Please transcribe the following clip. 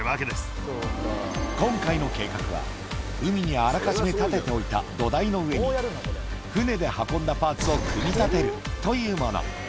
今回の計画は、海にあらかじめ建てておいた土台の上に、船で運んだパーツを組み立てるというもの。